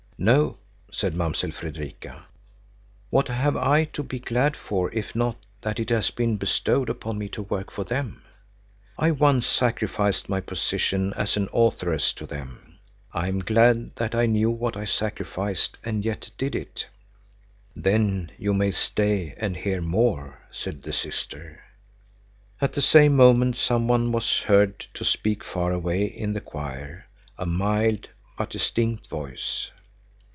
"No," said Mamsell Fredrika. "What have I to be glad for if not that it has been bestowed upon me to work for them? I once sacrificed my position as an authoress to them. I am glad that I knew what I sacrificed and yet did it." "Then you may stay and hear more," said the sister. At the same moment some one was heard to speak far away in the choir, a mild but distinct voice.